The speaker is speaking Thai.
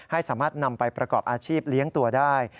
ให้สามารถนำไปประกอบอาชีพเลี้ยงตัวได้